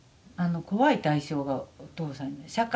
怖い対象がお父さんで社会。